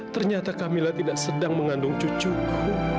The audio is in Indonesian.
ternyata camilla tidak sedang mengandung cucuku